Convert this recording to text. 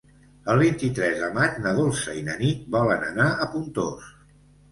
El vint-i-tres de maig na Dolça i na Nit volen anar a Pontós.